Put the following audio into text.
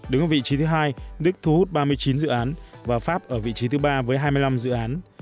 đứng ở vị trí thứ hai đức thu hút ba mươi chín dự án và pháp ở vị trí thứ ba với hai mươi năm dự án